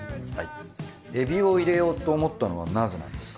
エビを入れようと思ったのはなぜなんですか？